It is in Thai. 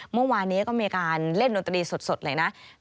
เมื่อวานนี้ก็มีการเล่นดนตรีสดเลยนะ